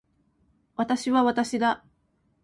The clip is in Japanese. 私は私だ。